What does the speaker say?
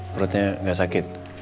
perutnya gak sakit